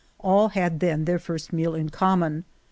All had then their first meal in common.